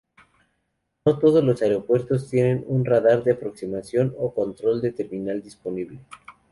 No todos los aeropuertos tienen un radar de aproximación o control de terminal disponible.